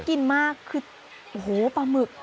กินมากคือโอ้โหปลาหมึก